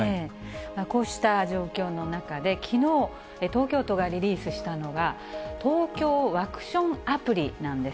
こうした状況の中で、きのう、東京都がリリースしたのが、ＴＯＫＹＯワクションアプリなんです。